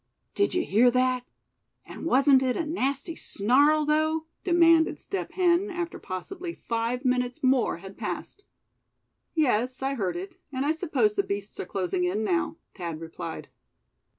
"Did you hear that and wasn't it a nasty snarl, though?" demanded Step Hen after possibly five minutes more had passed. "Yes, I heard it, and I suppose the beasts are closing in now," Thad replied.